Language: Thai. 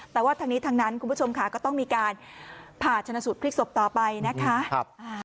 แต่ว่าทั้งนี้ทั้งนั้นคุณผู้ชมค่ะก็ต้องมีการผ่าชนะสูตรพลิกศพต่อไปนะคะ